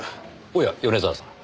おや米沢さん。